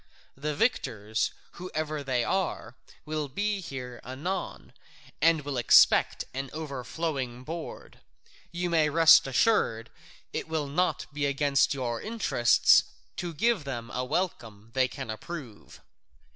The victors, whoever they are, will be here anon, and will expect an overflowing board. You may rest assured it will not be against your interests to give them a welcome they can approve."